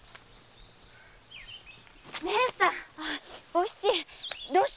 お七どうしたの？